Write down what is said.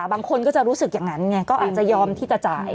บางคนก็จะรู้สึกอย่างนั้นไงก็อาจจะยอมที่จะจ่าย